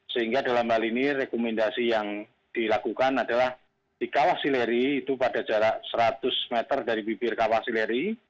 sehingga dalam hal ini rekomendasi yang dilakukan adalah di kawasileri itu pada jarak seratus meter dari bibir kawasileri